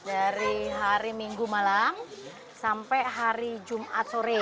dari hari minggu malam sampai hari jumat sore